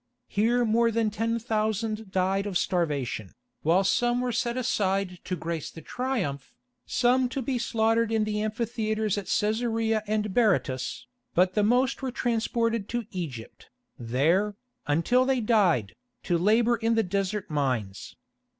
Here more than ten thousand died of starvation, while some were set aside to grace the Triumph, some to be slaughtered in the amphitheatres at Cæsarea and Berytus, but the most were transported to Egypt, there, until they died, to labour in the desert mines.